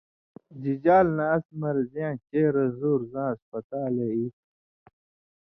جِجال نہ اَس مرضیاں چے رن٘زُور زاں ہسپتالے ای تھو۔